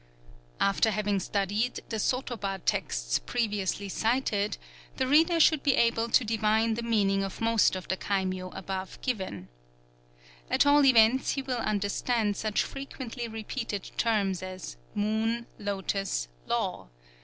_ After having studied the sotoba texts previously cited, the reader should be able to divine the meaning of most of the kaimyō above given. At all events he will understand such frequently repeated terms as "Moon," "Lotos," "Law."